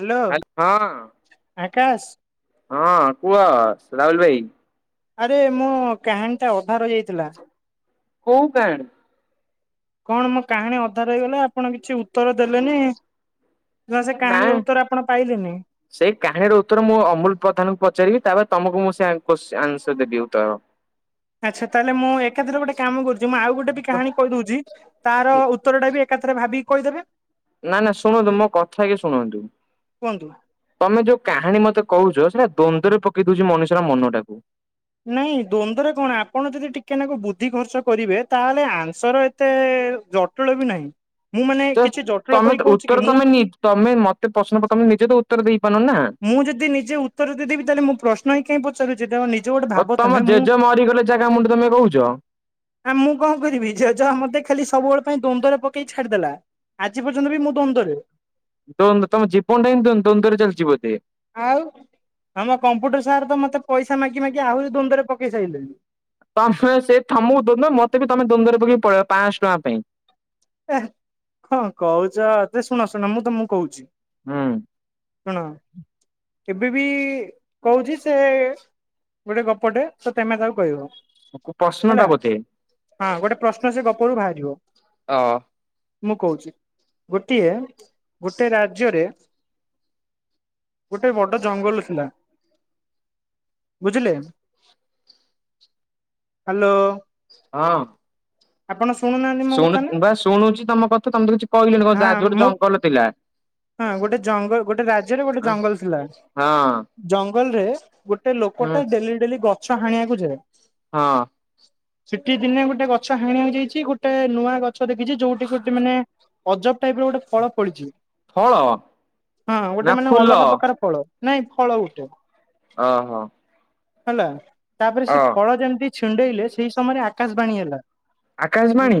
Hello ହାଲ ହଁ ଆକାଶ। ହଁ କୁହ ରାହୁଲ ଭାଇ। ଆରେ ମୁଁ କାହାଣୀଟା ଅଧାରହି ଯାଇଥିଲା। କଉ କାଆଣି। କଣ ମୋ କାହାଣୀ ଅଧା ରହିଗଲା ଆପଣ କିଛି ଉତ୍ତର ଦେଲେନି। ନା ସେ କାହାଣୀର ଉତ୍ତର ଆପଣ ପାଇଲେନି। ସେଇ କାହାଣୀର ଉତ୍ତର ମୁଁ ଅମୁଲ ପ୍ରଧାନଙ୍କୁ ପଚାରିବି ତାପରେ ତମକୁ ମୁଁ କୋସଚି ଆନ୍ସର ଦେବି ଉ ତାର, ଆଚ୍ଛା ତାହେଲେ ମୁଁ ଏକାଥରେ ଗୋଟେ କାମ କରୁଚି, ମୁଁ ଆଉ ଗୋଟେ ବି କାହାଣୀ କହିଦଉଚି, ତାର ଉତ୍ତରଟା ବି ଏକାଥରେ ଭାବିକି କହିଦେବେ। ନା ନା ଶୁଣନ୍ତୁ ମୋ କଥା ଆଗେ ଶୁଣନ୍ତୁ କୁହନ୍ତୁ। [inaudible] ତମେ ଯୋଉ କାହାଣି ମତେ କହୁଛ ନା ଦ୍ୱନ୍ଦ୍ୱରେ ପକେଇ ଦଉଛି ମଣିଷର ମନଟାକୁ। ନାଇଁ ଦ୍ଵନ୍ଦରେ କଣ? ଆପଣ ଯଦି ଟିକେ ନାକୁ ବୁଦ୍ଧି ଖର୍ଚ୍ଚ କରିବେ ତାହେଲେ ଆନ୍ସର ଏତେ ଏ ଜଟିଳ ବି ନାହିଁ। ମୁଁ ମାନେ ଜଷ୍ଟ୍ କିଛି ଜଟିଳ କରି ତମେତ କହୁଛି କି ଉତ୍ତର ମୁଁ ତମେ ନି ତମେ ମତେ ପ୍ରଶ୍ନ ତମେ ନିଜେ ତ ଉତ୍ତର ଦେଇ ମୁଁ ଯଦି ନିଜେ ଉତ୍ତର ଦେଇଦେବି ତାହେଲେ ମୁଁ ପ୍ରଶ୍ନ ହିଁ କାହିଁ ପଚାରୁଛି ତ ନିଜେ ଗୋଟେ ଭାବ ତମେ ମୁଁ ସେ ଜାଗା ମୁଁଡ଼ ତମେ କହୁଛ ଆ ମୁଁ କଣ କରିବି। ଯେଝା ଯାହା ମତେ ଖାଲି ସବୁବେଳେ ପାଇଁ ଦ୍ୱନ୍ଦରେ ପକେଇ ଛାଡିଦେଲା। ଆଜି ପର୍ଯ୍ୟନ୍ତବି ମୁଁ ଦ୍ୱନ୍ଦରେ। ଦ୍ୱନ୍ଦ୍ୱ ତମ ଜୀବନଟା ଏମିତି ଦ୍ୱନ୍ଦରେ ଚାଲିଛି ବୋଧେ। ଆଉ ଆମ କମ୍ପ୍ୟୁଟର୍ ସାର୍ ତ ମୋତେ ପଇସା ମାଗି ମାଗି ଆହୁରି ଦ୍ୱନ୍ଦରେ ପକେଇ ସାଇଲେଣି ତମେ ସେ ଠମ ଦ ମତେ ବି ତମେ ଦ୍ୱନ୍ଦ୍ୱରେ ପକେଇକି ପଳେଇ ପାଞ୍ଚଶହ ଟଙ୍କା ପାଇଁ ଏ କଣ କହୁଚ, ତେ ଶୁଣ ଶୁଣ ମୁଁ ତମକୁ କହୁଚି। ହୁଁ। ହଣ। ଏବେ ବି କହୁଚି ସେ ଗୋଟେ ଗପଟେ ତ ତମେ ତାକୁ କହିବ। ପ୍ରଶ୍ନଟା ହେଲା, ବୋଧେ ହଁ ଗୋଟେ ପ୍ରଶ୍ନ ସେ ଗପରୁ ବାହାରିବ। ଅ ମୁଁ କହୁଚି ଗୋଟିଏ ଗୋଟେ ରାଜ୍ୟରେ ଗୋଟେ ବଡ଼ ଜଙ୍ଗଲ ଥିଲା। ବୁଝିଲେ, ହାଲୋ। ହଁ। ଆପଣ ଶୁଣୁନାହାନ୍ତି ମୋ ଶୁଣୁ କଥା ନା? ବା ଶୁଣୁଛି ତମ କଥା ତମେ ତ କିଛି କହିଲନି କଣ ହଁ [unintelligible] ଗୋଟେ ମୋ ଜଙ୍ଗଲ ଥିଲା। ହଁ ଗୋଟେ ଜଙ୍ଗଲ, ଗୋଟେ ରାଜ୍ୟରେ ଗୋଟେ ଜଙ୍ଗଲ ଥିଲା। ହଁ ଜଙ୍ଗଲରେ ଗୋଟେ ଗୋଟେ ହୁଁ ଲୋକଟା ଡେଲି ଡେଲି ଗଛ ହାଣିବାକୁ ଯାଏ। ହଁ। ସିଠି ଦିନେ ଗୋଟେ ଗଛ ହାଣି ହେଇଯାଇଛି ଗୋଟେ ନୂଆ ଗଛ ଦେଖିଛି ଯୋଉଠି ଗୋଟେ ମାନେ ଅଜବ୍ ଟାଇପ୍ ର ଗୋଟେ ଫଳ ପଡିଛି, ଫଳ ହଁ ନା ଗୋଟେ ମାନେ ଫୁଲ? ଅଲଗା ପ୍ରକାର ଫଳ। ନାଇଁ ଫଳ ଗୋଟେ। ଓହୋ। ହେଲା ତାପରେ ଅ ସେ ଫଳ ଯେମିତି ଛିଣ୍ଡେଇଲେ ସେଇ ସମୟରେ ଆକାଶବାଣୀ ହେଲା। ଆକାଶବାଣୀ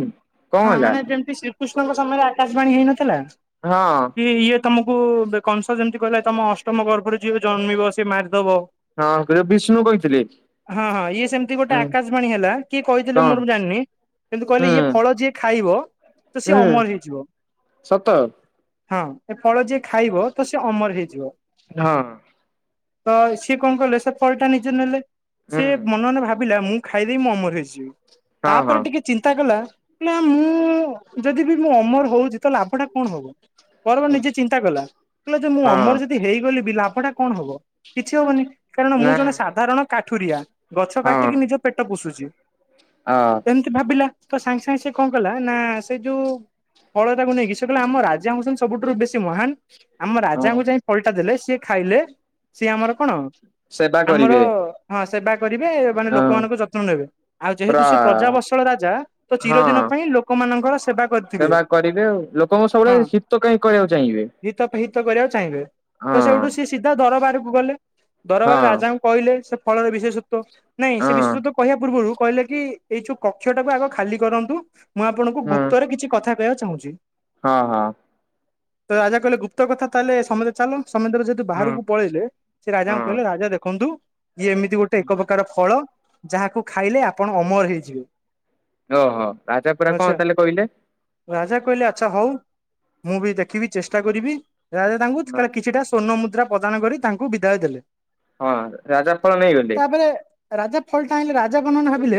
କଣ ହେଲା? ମାନେ ଯେମତି ଶ୍ରୀକୃଷ୍ଣଙ୍କ ସମୟରେ ଆକାଶବାଣୀ ହେଇନଥିଲା। ହଁ କି ଇଏ ତମକୁ କଂସ ଯେମିତି କହିଲା ତମ ଅଷ୍ଟମ ଗର୍ଭରେ ଯିଏ ଜନ୍ମିବ ସେ ମାର ହଁ ସେ ବିଷ୍ଣୁ କହିଥିଲେ। ହଁ ହଁ ଇଏ ସେମିତି ଗୋଟେ ଉଁ ଆକାଶବାଣୀ ହେଲା କିଏ କହିଥିଲେ କଣ ମୋରୁ ଜାଣିନି? କିନ୍ତୁ କହିଲେ ହୁଁ ଇଏ ଫଳ ଯିଏ ଖାଇବ, ତ ସିଏ ହୁଁ ଅମର ହେଇଯିବ। ସତ ହଁ ଏ ଫଳ ଯିଏ ଖାଇବ, ତ ସେ ଅମର ହେଇଯିବ। ହଁ। ତ ସିଏ କଣ କଲେ ସେ ଫଳଟା ନିଜେ ନେଲେ, ହୁଁ ସିଏ ମନେ ମନେ ଭାବିଲା ମୁଁ ଖାଇଦେଇ ମୁଁ ଅମର ହେଇଯିବି। ହଁ ତାପରେ ହଁ ଟିକେ ଚିନ୍ତା କଲା ନା ମୁଁ ଯଦି ବି ମୁଁ ଅମର ହଉଛି ତ ଲାଭ ଟା କଣ ହବ? ପରବ ନିଜେ ଚିନ୍ତା କଲା, କହିଲା ହଁ ଅମର ଯଦି ହେଇଗଲି ବି ଲାଭଟା କଣ ହବ? କିଛି ହବନି କାରଣ ନା ମୁଁ ଜଣେ ସାଧାରଣ କାଠୁରିଆ ଗଛ ହଁ କାଟିକି ନିଜ ପେଟ ପୋଷୁଛି। ଅ ଏମିତି ଭାବିଲା ତ ସାଙ୍ଗେ ସାଙ୍ଗେ ସେ କଣ କଲା ନା ସେ ଯୋଉ ହଳ ତାକୁ ନେଇକି ସେ କହିଲା ଆମ ରାଜା ହଉଚ ସବୁଠୁାରୁ ବେସି ମହାନ୍ ଆମ ରାଜାଙ୍କୁ ଯାଇ ଫଳଟା ଦେଲେ ସିଏ ଖାଇଲେ। ସିଏ ଆମର କଣ? ସେବା ଆମର କରିବେ ହଁ ସେବା କରିବେ ମାନେ ଅ ଲୋକମାନଙ୍କ ଯତ୍ନ ନେବେ ଆଉ ପ୍ର ଯେହେତୁ ସେ ପ୍ରଜାବତ୍ସଳ ରା ଜା ତ ଚିର ହଁ ଦିନ ପାଇଁ ଲୋକମାନ ସେବା କରିବେ ଆଉ ଲୋକଙ୍କ ହଁ ସବୁବେଳେ ଶୀତ କାହିଁ କରିବାକୁ ଚାହିଁବେ ହିତ ହିତ କରିବାକୁ ଚାହିଁବେ ହଁ ତ ସେଉଠୁ ସିଏ ସିଧା ଦର ବାହାରକୁ ଗଲେ। ହଁ ଦରବାର ରାଜାଙ୍କୁ କହିଲେ ସେ ଫଳର ବିଶେଷତ୍ୱ ନାଇଁ ହଁ ସେ ବିଶେଷତ୍ଵ କହିବା ପୂର୍ବରୁ କହିଲେ କି ଏଇ ଯୋଉ କକ୍ଷଟାକୁ ଆଗ ଖାଲି କରନ୍ତୁ ମୁଁ ଆପଣଙ୍କୁ ହୁଁ ଗୁପ୍ତରେ କିଛି କଥା କହବାକୁ ଚାହୁଁଚି। ହଁ ହଁ ତ ରାଜା କହିଲେ ଗୁପ୍ତ କଥା ତାହେଲେ ସମତେ ଚାଲ। ସମତେ ଯେହେତୁ ହୁଁ ବାହାରକୁ ପଳେଇଲେ ସେ ରାଜାଙ୍କୁ ହଁ କହିଲେ ରାଜା ଦେଖନ୍ତୁ। ଇଏ ଏମିତି ଗୋଟେ ଏକ ପ୍ରକାର ଫଳ ଯାହାକୁ ଖାଇଲେ ଆପଣ ଅମର ହେଇଯିବେ। ଓହୋ ରାଜା ପରା କଣ ତାହଲେ କହିଲେ? ଆଛା ହଉ ମୁଁ ବି ଦେଖିବି ଚେଷ୍ଟା କରିବି ରାଜା ତାଙ୍କୁ କିଛିଟା ସ୍ୱର୍ଣ୍ଣ ମୁ ମୁଦ୍ରା ପ୍ରଦାନ କରି ତାଙ୍କୁ ବିଦାୟ ଦେଲେ। ହଁ ରାଜା ଫଳ ନେଇଗଲେ। ତାପରେ ରାଜା ଫଳଟା ଆଇଲେ ରାଜା ମନେ ମନେ ଭାବିଲେ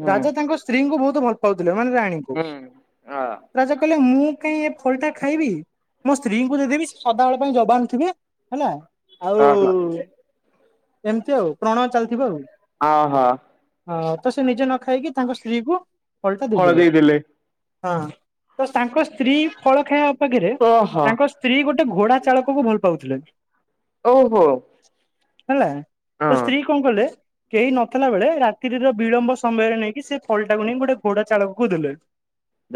ହୁଁ ରାଜା ତାଙ୍କ ସ୍ତ୍ରୀଙ୍କୁ ବହୁତ ଭଲ ପାଉଥିଲେ। ମାନେ ରାଣୀଙ୍କୁ ହୁଁ ଅ ରାଜା କହିଲେ ମୁଁ କାଇଁ ଏ ଫଳଟା ଖାଇବି ମୋ ସ୍ତ୍ରୀଙ୍କୁ ଦେଇଦେବି ସେ ସଦାବେଳେ ପାଇଁ ଜବାନଥିବେ ହେଲା ଆଉ ଓହୋ ଏମିତି ଆଉ ପ୍ରଣୟ ଚାଲିଥିବ ଆଉ। ଅ ହ, ହଁ ତ ସେ ନିଜେ ନ ଖାଇକି ତାଙ୍କ ସ୍ତ୍ରୀକୁ ଫଳ ଦେଇଦେଲେ। ହଁ ତ ତାଙ୍କ ସ୍ତ୍ରୀ ଫଳ ଖାଇବା ପାଖରେ ଓହୋ ତାଙ୍କ ସ୍ତ୍ରୀ ଗୋ ଗୋଟେ ଘୋଡା ଚାଳକକୁ ଭଲ ପାଉଥିଲେ। ଓହୋ ହେଲା ହଁ ତ ସ୍ତ୍ରୀ କଣ କଲେ କେହି ନଥିଲା ବେଳେ ରାତ୍ରିର ବିଳମ୍ବ ସମୟରେ ନେଇକି ସେ ଫଳଟାକୁ ନେଇି ଗୋଟେ ଘୋଡା ଚାଳକକୁ ଦେଲେ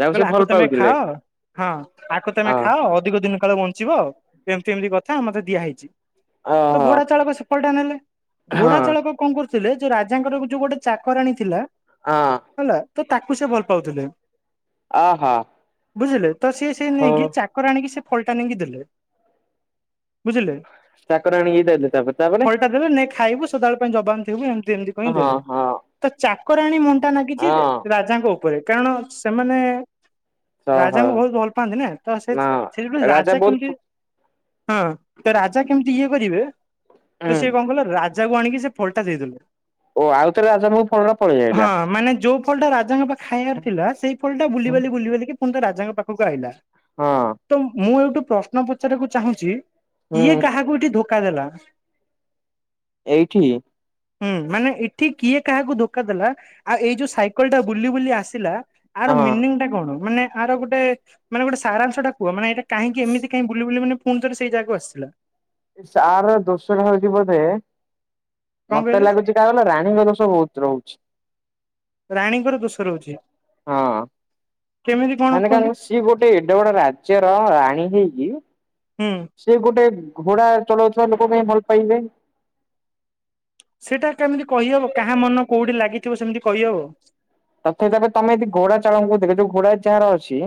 ଯାହାକୁ ସେ ଭଲ ଆକୁ ତମେ ପାଉଥିଲେ ଖାଅ ହଁ ଆକୁ ତମେ ହଁ ଖାଅ ଅଧିକ ଦିନ କାଳେ ବଞ୍ଚିବ ଏମିତି ଏମିତି କଥା ମତେ ଦିଆହଇଛି। ତ ଓହୋ ଘୋଡା ଚାଳକ ସେ ଫଳଟା ନେଲେ ହଁ ଘୋଡା ଚାଳକ କଣ କରୁ ଥିଲେ ଯୋଉ ରାଜାଙ୍କର ଯୋଉ ଗୋଟେ ଚାକରାଣୀ ଥିଲା ହଁ, ହେଲା ତ ତାକୁ ସେ ଭଲ ପାଉଥିଲେ, ଅ ହ ବୁଝିଲେ ତ ସିଏ ସେ ନେଇକି ଚାକରାଣୀକି ସେ ଫଳଟା ନେଇକି ଦେଲେ ବୁଝିଲେ। ଚାକରାଣିକି ଦେଲେ ତାପରେ ତାପରେ ଫଲଟା ଦେଲେ ନେ ଖାଇବୁ ସଦାବେଳେ ପାଇଁ ଜବାନ ଥିବୁ ଏମିତି ଏମିତି କହି ହଁ ଦେଲେ ହଁ ତ ଚାକରାଣୀ ମୂଁ ଲାଗିଛି ହଁ ରାଜାଙ୍କ ଉପରେ କାରଣ ସେମାନେ ଓହୋ ରାଜାଙ୍କୁ ବହୁତ ଭଲ ପାନ୍ତି ନା ତ ସେ ନା ସେଥିପ ରାଜା କେମିତି ହଁ ତ ରାଜା କେମିତି ଇଏ କରିବେ ତ ହୁଁ ସିଏ କଣ କଲେ ରାଜା ଯାକୁ ଆଣିକି ସେ ଫଲଟା ଦେଇଦେଲେ। ଓ ଆଉଥରେ ରାଜାଙ୍କ ପାଖକୁ ଫଳଟା ପଳେଇ ହଁ ଆଇଲା। ମାନେ ଯୋଉ ଫଳଟା ରାଜାଙ୍କ ପା ଖାଇବାର ଥିଲା ସେଇ ଫଳଟା ବୁଲିିବାଲି ବୁଲିିବାଲିକି ପୁଣି ରାଜାଙ୍କ ପାଖକୁ ଆଇଲା। ହଁ ତ ମୁଁ ଏଇଠୁ ପ୍ରଶ୍ନ ପଚାରିବାକୁ ଚାହୁଁଛି ହୁଁ କିଏ କାହାକୁ ଏଇଠି ଧୋକ କା ଦେଲା। ଏଇଠି, ହୁଁ ମାନେ ଏଠି କିଏ କାହାକୁ ଧୋକା ଦେଲା ଆଉ ଏଇ ଯୋଉ ସାଇକେଲ ଟା ବୁଲି ବୁଲି ଆସିଲା। ଆର ହଁ ମିନିଂ ଟା କଣ? ମାନେ ଆର ଗୋଟେ ମାନେ ଗୋଟେ ସାରାଂଶ ଟା କୁହ ମାନେ ଏଇଟା କାହିଁକି ଏମିତି କାଇଁ ବୁଲି ବୁଲି ମାନେ ପୁଣି ଥରେ ସେଇ ଜାଗାକୁ ଆସିଲା? ଏ ସାର ଦୋଶଟା ହଉଚି ବୋଧେ କଣ ମତେ କହିଲେ? ଲାଗୁଚି କାହାର କିଇଲ ରାଣୀର ଦୋଷ ବହୁତ ରହୁଚି। ରାଣୀଙ୍କର ଦୋଷ ରହୁଚି। ହଁ ମାନେ କାରଣ ସିଏ ଗୋଟେ ଏଡେ ବଡ ରାଜ୍ୟର ରାଣୀ ହେଇକି ହୁଁ। ସେ ଗୋଟେ ଘୋଡା ଚଲଉଥୁବା ଲୋକ କୁ କାଇଁ ଭଲ ପାଇଲେ? ସେଇଟା କେମିତି କହିହବ କାହା ମନ କୋଉଠି ଲାଗିଥିବ ସେମିତି କହିହବ ତଥାପି ତାପରେ ତମେ ଯଦି ଘୋଡା ଚାଳକଙ୍କୁ ଦେଖ ଯୋଉ ଘୋଡା ଯାହାର ଅଛି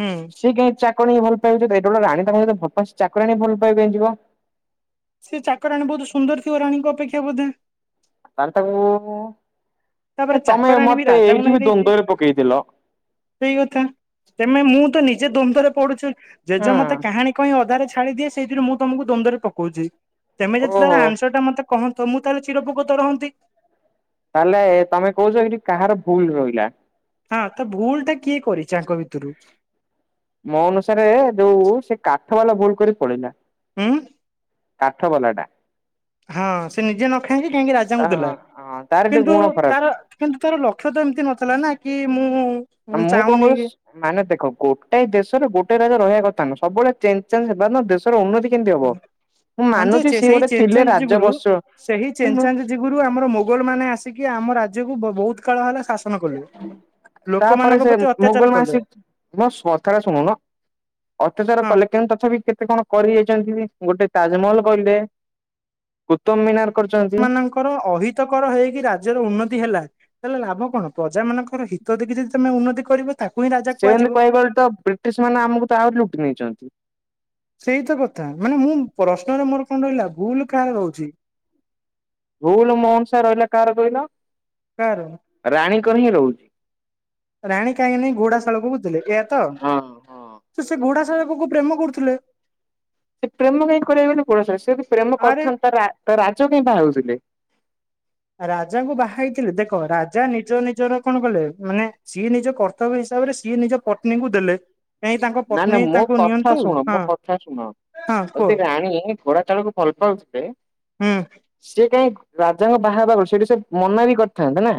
ହୁଁ। ସିଏ କାଇଁ ଚା [unintelligible] ଭଲ ପାଇବେ ତ ଏଇଟା [unintelligible] ରାଣୀ ତାଙ୍କ ସହିତ ଭପା ଚାକରାଣି କି ଭଲ ପାଇବେ ଯିବ। ସେ ଚାକରାଣୀ ବହୁତ ସୁନ୍ଦର ଥିବ ରାଣୀଙ୍କ ଅପେକ୍ଷା ବୋଧେ। ତା ହେଲେ ତାକୁ ତାପରେ ତମେ ଚାକରାଣୀ ବି ମତେ ରାଜାଙ୍କୁ ଏଇଠି ନେଇ ବି ଦେଇଚି। ଦ୍ଵନ୍ଦରେ ପକେଇଥିଲ। ସେଇ କଥା ତମେ ମୁଁ ତ ନିଜେ ଦ୍ୱନ୍ଦରେ ପଢୁଚି ଜେଜ ମତେ ହଁ କାହାଣୀ କହି ଅଧାରେ ଛାଡିଦିଏ ସେଇଥିରେ ମୁଁ ତମକୁ ଦ୍ୱନ୍ଦରେ ପକଉଚି। ତମେ ଓହୋ ଯଦି ତାର ଆନ୍ସର ଟା ମତେ କହନ୍ତ ମୁଁ ତାହେଲେ ଚିରଉପକତ ରହନ୍ତି। ତାହେଲେ ତମେ କହୁଚ ଏଠି କାହାର ଭୁଲ ରହିଲା? ହଁ ତ ଭୁଲ ଟା କିଏ କରିଚି ଆଙ୍କ ଭିତୁରୁ? ମୋ ଅନୁସାରେ ଯୋଉ ସେ କାଠ ବାଲା ଭୁଲ କରି ପଲେଇଲା। ହୁଁ। କାଠ ବାଲା ଟା। ହଁ ସେ ନିଜେ ନ ଖାଇଁକି କାହିଁକି ରାଜାଙ୍କୁ ଦେଲା। ହଁ ତାର ଟିକେ କିନ୍ତୁ ଗୁଣ ଖରାପ ତାର କିନ୍ତୁ ତାର ଲକ୍ଷ୍ୟ ତ ଏମତି ନଥିଲା ନା କି ମୁଁ ମୁଁ କଣ ଚାହୁଁନି କରୁଛି ମାନେ ଦେଖ ଗୋଟେ ଦେଶରେ ଗୋଟେ ରାଜା ରହିବା କ ସବୁବେଳେ ଚେଞ୍ଜ ଚାଞ୍ଜ ହେବାର ଦେଶର ଉନ୍ନତି କେମିତି ହବ? ମୁଁ ହଁ ମାନୁଚି ଯେ ସିଏ ସେଇ ଗୋଟେ ଥିଲେ ଚେନଚାଞ୍ଜ ଯୁଗୁରୁ ରାଜବସ ସେହି ଚେଞ୍ଜ ଚାଞ୍ଜ ଯିଗୁରୁ ଆମର ମୋଗଲ ମାନେ ଆସିକି ଆମ ରାଜ୍ୟକୁ ବହୁତ କାଳ ହେଲା ଶାସ ତାପରେ ସେ ଅତ୍ୟାଚାର ମୋଗଲ ମା କଲେ ଆସିକି ମୋ କଥାଟା ଶୁଣୁନ। ଅତ୍ୟାଚାର ହଁ କଲେ କିନ୍ତୁ ତଥାପି କେତେ କଣ କରି ଯାଇଚନ୍ତି ବି। ଗୋଟେ ତାଜମହଲ କରିଲେ କୁତୁବ ମିନାର କରିଛନ୍ତି। ମାନଙ୍କର ଅହିତକର ହେଇକି ରାଜ୍ୟର ଉନ୍ନତି ହେଲା ତାଲେ ଲାଭ କଣ ପ୍ରଜା ମାନଙ୍କ ର ହିତ ଦେଖି ଯଦି ତମେ ଉନ୍ନତି କରିବ ତାକୁ ହିଁ ରାଜା ସେମିତି କୁହାଯିବ। କହିଗଲେ ତ ବ୍ରିଟିଶ ମାନେ ଆମକୁ ତ ଆହୁରି ଲୁଟି ନେଇଚନ୍ତି। ସେଇତ କଥା ମାନେ ମୁଁ ପ୍ରଶ୍ନରେ ମୋର କଣ ରହିଲା ଭୁଲ କାହାର ରହୁଛି? ଭୁଲ୍ ମୋ ଅନୁସାରେ ରହିଲା କାଆର କଇଲ? କାର? କାହିଁକି ରହୁଚି? ରାଣୀ କାହିଁକି ନାଇଁ ଘୋଡାଶାଳକୁ ବୁଝିଲେ ଏୟା ତ ହଁ ହଁ। ତୁ ସେ ଘୋଡା ସା ସାଳକ କୁ ପ୍ରେମ କରୁଥିଲେ। ସେ ପ୍ରେମ କାଇଁ [unintelligible] ସେ ବି ପ୍ରେମ ଆରେ କରିଥାନ୍ତା ତା ରାଜା କାଇଁ ବାହାଉଥିଲେ? ରାଜାଙ୍କୁ ବାହା ହେଇଥିଲେ ଦେଖ ରାଜା ନିଜ ନିଜର କଣ କଲେ ମାନେ ସିଏ ନିଜ କର୍ତ୍ତବ୍ୟ ହିସାବରେ ସିଏ ନିଜ ପତ୍ନୀଙ୍କୁ ଦେଲେ। କାହିଁ ତାଙ୍କ ନା ନା ପତ୍ନୀ ମୋ ତାଙ୍କୁ କଥା ନିଅନ୍ତୁ ଶୁଣ ମୋ ହଁ କଥା ଶୁଣ। ହଁ କୁହ ଯଦି ରାଣୀ ଘୋଡା ଚାଳକକୁ ଭଲ ପାଉଥିଲେ ହୁଁ ସିଏ କାଇଁ ରାଜାଙ୍କ ବାହାହବାକୁ ସେଇଠି ସେ ମନା ବି କରିଥାନ୍ତେ ନା।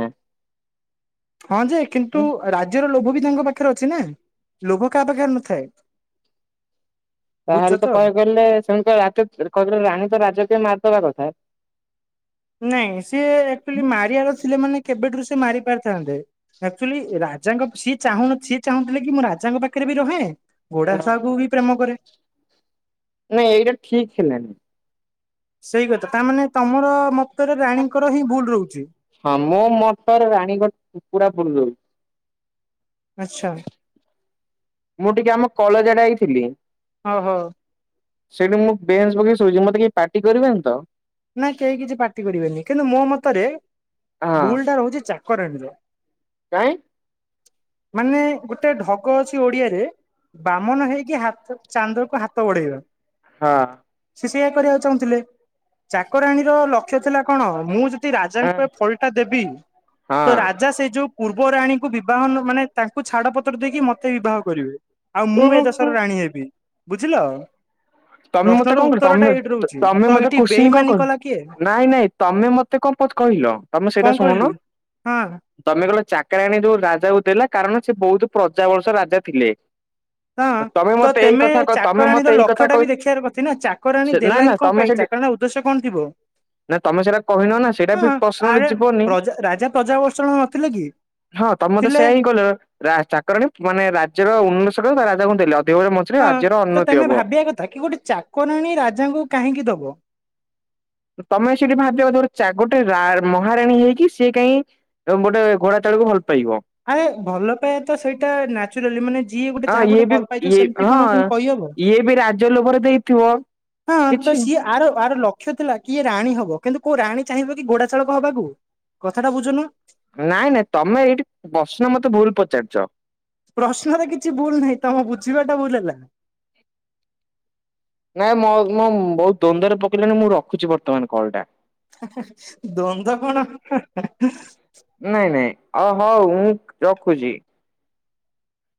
ହଁ ଯେ କିନ୍ତୁ ରାଜ୍ୟର ଲୋଭ ବି ତାଙ୍କ ପା ଖରେ ଅଛି ନା ଲୋଭ କାହା ପାଖରେ ନଥାଏ? ତାହେଲେ ତ କହିବାକୁ ଗଲେ ସେମିତି ତ ରାତି [unintelligible] ରାଣୀ ତ ରାଜା କୁ ବି ମାରିଦବା କଥା। ନାଇଁ ସିଏ ଆଚୁଆଲି ମାରିଆର ଥିଲେ ମାନେ କେବେଠାରୁ ସିଏ ମାରି ପାରିଥାନ୍ତେ ଆକ୍ଚୁଲି ରାଜାଙ୍କ ସିଏ ଚାହୁଁ ସିଏ ଚାହୁଁଥିଲେ କି ମୁଁ ରାଜାଙ୍କ ପାଖରେ ବି ରହେ ଘୋଡାସାଳକ କୁ ବି ପ୍ରେମ କରେ। ନାଇଁ ଏଇଟା ଠିକ୍ ହେଲାନି। ସେଇ କଥା ତାମାନେ ତମର ମ ହ ମୋ ମତରେ ରାଣୀଙ୍କର ପୁରା ଭୁଲ୍ ରହୁଛି ଆଚ୍ଛା। ମୁଁ ଟିକେ ଆମ କଲେଜ ଆଡେ ଆଇଥିଲି। ଓହୋ। ସେଇଠି ମୁଁ ବେଞ୍ଚ ପକେଇ ଶୋଇଛି ମତେ କେହି ପାଟି କରିବେନି ତ? ନା କେହି କିଛି ପାଟି କରିବେନି, କିନ୍ତୁ ମୋ ମତରେ ହଁ ଭୁଲ ଟା ରହୁଛି ଚା କରାଣୀର। କାଇଁ? ମାନେ ଗୋଟେ ଢଗ ଅଛି ଓଡିଆରେ ବାମନ ହେଇକି ହାତ ଚାନ୍ଦକୁ ହାତ ବଢେଇବା। ହଁ। ସେଇୟା କରିବାକୁ ଚାହୁଁଥିଲେ ଚାକରାଣୀର ଲକ୍ଷ୍ୟ ଥିଲା କଣ ମୁଁ ଜ ଯଦି ହଁ। ରାଜାଙ୍କୁ ଏ ଫଳଟା ଦେବି ତ ରାଜା ସେ ଯୋଉ ପୂର୍ବ ରାଣୀଙ୍କୁ ବିବାହ ନ ମାନେ ତାଙ୍କୁ ଛାଡପତ୍ର ଦେଇକି ମତେ ବିବାହ କରିବେ। ଆଉ ମୁଁ ଏ ଓହୋ। ଦେଶର ରାଣୀ ହେବି। ବୁଝିଲ ତମେ ମତେ ପ୍ରଶ୍ନର କଣ କରିବ ଉତ୍ତର ଟା ଏଇଠି ତମେ ରହୁଛି ତମେ ତ ମତେ ଏଇଠି କୋଶ୍ଚିନ୍ କଣ ବେଇମାନି କଲା କିଏ କହିଲୁ। ନାଇଁ ନାଇଁ ତମେ ମତେ କଣ ପ କହିଲ ତମେ କଣ ସେଇଟା ଶୁଣନ। କହିଲି ହଁ। ଚାକରାଣୀ ଯୋଉ ରାଜାକୁ ଦେଲା। କାରଣ ସେ ବହୁତ ପ୍ରଜା ବଂଶ ରାଜା ଥିଲେ। ହଁ ଅ ତମେ ତ ମତେ ଏଇ ତେମେ କଥା କ ତମେ ମତେ ଚାକରାଣୀର ଏଇ କଥା ଲକ୍ଷ୍ୟ ଟା କ ବି ଦେଖିବାର କଥି ନା ଚାକରାଣୀ ଦେଲା ହିଁ କଣ ପାଇଁ ସେଠି ଚାକରଣୀର ଉଦ୍ଦେଶ୍ୟ କଣ ଥିବ। ନା ତମେ ସେଇଟା କହିନ ନା ସେଇଟା ବି ହଁ ପଶ୍ନରେ ଆରେ ଯିବନି। ପ୍ରଜା ରାଜା ପ୍ରଜାବର୍ଷଣ ନଥିଲେ କି ହଁ ତମେ ମୋତେ ଥିଲେ ସେଇଆ ହିଁ କହିଲ। ଚାକରଣୀ ମାନେ ରାଜ୍ୟର ଉନ୍ନଷକ ବା ରାଜାଙ୍କୁ ଦେଲେ ଅ ଦେଓଗାଁ ମଝିରେ ହଁ ଆର୍ଯ୍ୟର ତ ଉନ୍ନତି ତମେ ହବ। ଭାବିବା କଥା କି ଗୋଟେ ଚାକରାଣୀ ରାଜାଙ୍କୁ କାହିଁକି ଦବ? ତମେ ସେଠି ଭାବିବା କଥା ଗୋଟେ ଚା ଗୋଟେ ରୋ ମହାରାଣୀ ହେଇକି ସିଏ କାଇଁ ଗୋଟେ ଘୋଡା ଚାଳକୁ ଭଲ୍ ପାଇବ। ଆରେ ଭଲ ପାଇବା ତ ସେଇଟା ନ୍ୟାଚୁରାଲି ମାନେ ଯିଏ ଗୋଟେ ହଁ ଯାହା ଇଏ ଗୋଟେ ବି ଭଲ ପାଇଯିବ ଇଏ ସେମିତି କଣ ହଁ କେମି କହିହବ? ଇଏ ବି ରାଜ ଲୋଭରେ ଦେଇଥିବ। ହଁ ତ କିଛି ସିଏ ଆର ତାର ଲକ୍ଷ୍ୟ ଥିଲା କିଏ ରାଣୀ ହବ କିନ୍ତୁ କୋଉ ରାଣୀ ଚାହିଁବ କି ଗୋଡା ଶାଳକ ହବାକୁ କଥା ଟା ନାଇଁ ନାଇଁ ତମେ ଏଇଠି ପ୍ରଶ୍ନ ମତେ ଭୁଲ ପଚାରୁଚ। ପ୍ରଶ୍ନରେ କିଛି ଭୁଲ ନାହିଁ ତମ ବୁଝିବା ଟା ଭୁଲ ହେଲା। ନାଇଁ ମୋ-ମୋ ବହୁତ୍ ଦ୍ୱନ୍ଦ୍ୱରେ ପକେଇଲେଣି ମୁଁ ରଖୁଛି ବର୍ତ୍ତମାନ କଲ୍ ଟା। ଦ୍ୱନ୍ଦ କଣ? ନାଇଁ ନାଇଁ ଅ ହଉ ମୁଁ ରଖୁଛି।